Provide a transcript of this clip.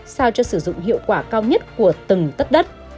sao cho sử dụng hiệu quả cao nhất của từng tất đất